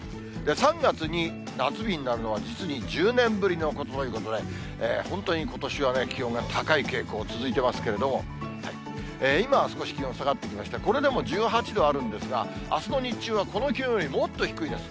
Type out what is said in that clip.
３月に夏日になるのは実に１０年ぶりのことということで、本当にことしはね、気温が高い傾向続いてますけれども、今は少し気温下がってきまして、これでも１８度あるんですが、あすの日中はこの気温よりもっと低いです。